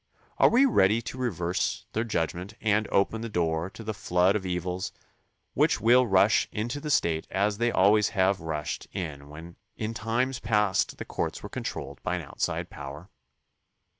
Are we ready to reverse their judgment and open the door to the flood of evils which will rush into the State as they always have rushed in when in times past the courts were controlled by an outside power?